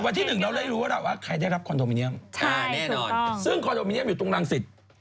วันที่หนึ่งเราได้รู้ว่าเราว่าใครได้รับคอนโดมิเนียมแน่นอนซึ่งคอนโดมิเนียมอยู่ตรงรังสิต